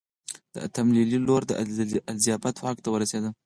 د اتم لي لور الیزابت واک ته ورسېده.